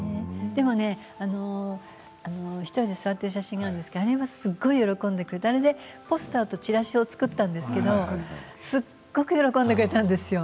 でも１人で座っている写真があるんですけれどもあれはすごい喜んでくれてあれでポスターとチラシを作ったんですけれどもすごく喜んでくれたんですよ。